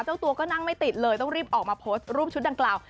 เจ้าตัวก็นั่งไม่ติดเลยต้องรีบออกมาโพสต์รูปชุดดังกล่าว